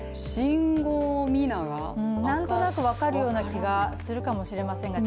なんとなく分かるような気がするかもしれませんが。